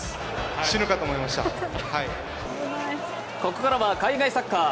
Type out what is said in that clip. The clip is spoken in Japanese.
ここからは海外サッカー。